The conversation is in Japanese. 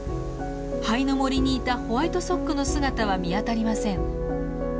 灰の森にいたホワイトソックの姿は見当たりません。